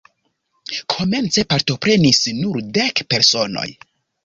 Komence partoprenis nur dek personoj.